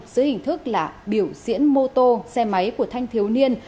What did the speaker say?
dưới hình thức là biểu diễn mô tô xe máy của thanh thiếu niên